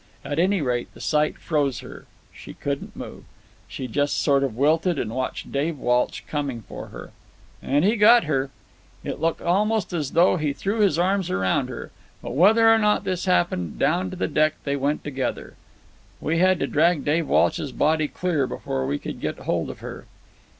At any rate, the sight froze her. She couldn't move. She just sort of wilted and watched Dave Walsh coming for her! And he got her. It looked almost as though he threw his arms around her, but whether or not this happened, down to the deck they went together. We had to drag Dave Walsh's body clear before we could get hold of her.